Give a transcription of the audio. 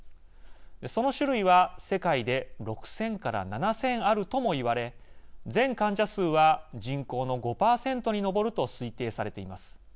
その種類は、世界で６０００から７０００あるとも言われ全患者数は、人口の５％に上ると推定されています。